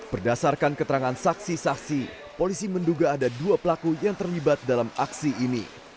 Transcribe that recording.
berdasarkan keterangan saksi saksi polisi menduga ada dua pelaku yang terlibat dalam aksi ini